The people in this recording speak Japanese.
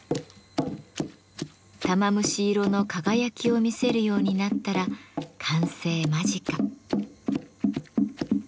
玉虫色の輝きを見せるようになったら完成間近。